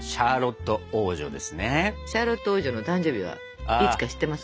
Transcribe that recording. シャーロット王女の誕生日はいつか知ってますか？